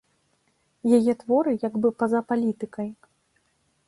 Яе творы як бы па-за палітыкай.